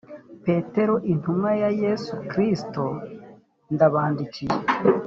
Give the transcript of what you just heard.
petero intumwa ya yesu kristo ndabandikiye